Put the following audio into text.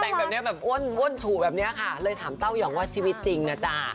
แต่งแบบนี้แบบอ้วนฉูแบบนี้ค่ะเลยถามเต้ายองว่าชีวิตจริงนะจ๊ะ